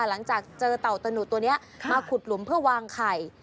หลังจากเจอเต่าตะหนุดตัวนี้มาขุดหลุมเพื่อวางไข่